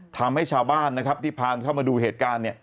ทำให้ชาวบ้านนะครับที่พานเข้ามาดูเหตุการณ์